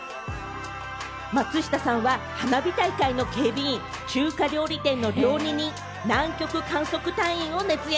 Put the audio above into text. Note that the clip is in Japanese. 松下さんは花火大会の警備員、中華料理店の料理人、南極観測隊員を熱演。